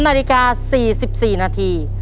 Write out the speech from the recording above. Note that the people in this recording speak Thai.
นาฬิกา๔๔นาที